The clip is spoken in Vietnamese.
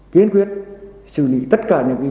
kiến quyết xử lý tất cả những vĩ phạm